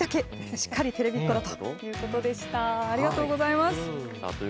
しっかりテレビっ子だということでした。